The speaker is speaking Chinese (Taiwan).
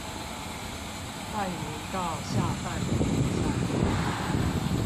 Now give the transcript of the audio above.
拌勻一道下飯的好菜